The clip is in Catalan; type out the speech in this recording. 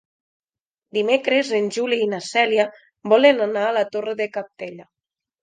Dimecres en Juli i na Cèlia volen anar a la Torre de Cabdella.